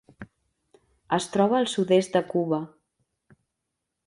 Es troba al sud-est de Cuba.